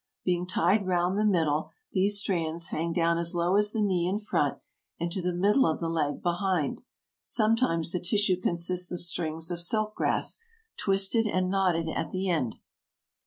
Being tied round the middle, these strands hang down as low as the knee in front and to the middle of the leg behind ; sometimes the tissue consists of strings of silk grass, twisted and knotted at the end.